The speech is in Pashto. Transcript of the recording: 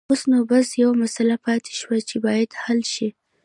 اوس نو بس يوه مسله پاتې شوه چې بايد حل شي.